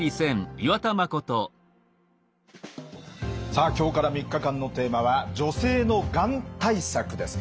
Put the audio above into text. さあ今日から３日間のテーマは「女性のがん対策」です。